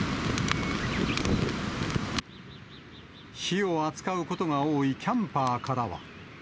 火を扱うことが多いキャンパーからは。